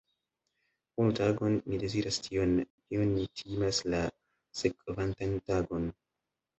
Unu tagon, ni deziras tion, kion ni timas la sekvantan tagon.